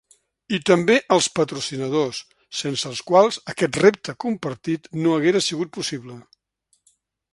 I també als patrocinadors, sense els quals aquest repte compartit no haguera sigut possible.